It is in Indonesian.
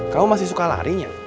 kamu masih suka larinya